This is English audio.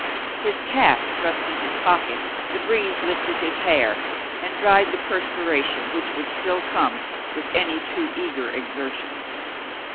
His cap thrust in his pocket, the breeze lifted his hair and dried the perspiration which would still come with any too eager exertion.